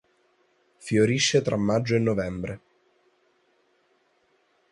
Fiorisce tra maggio e novembre.